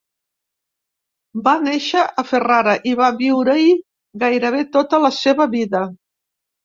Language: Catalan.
Va néixer a Ferrara, i va viure-hi gairebé tota la seva vida.